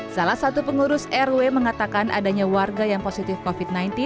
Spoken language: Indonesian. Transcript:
salah satu pengurus rw mengatakan adanya warga yang positif covid sembilan belas